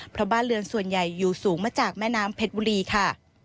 เพราะบ้านเรือนส่วนใหญ่อยู่สูงมาจากแม่น้ำเพชรบุรีค่ะ